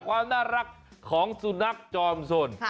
ความน่ารักของสุนัขจอมสน